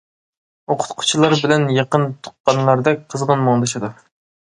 ئوقۇتقۇچىلار بىلەن يېقىن تۇغقانلاردەك قىزغىن مۇڭدىشىدۇ.